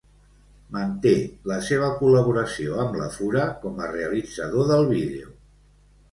Manté la seva col·laboració amb La Fura com a realitzador del vídeo.